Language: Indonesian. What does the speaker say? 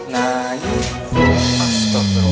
nah ini pastor berumah lagi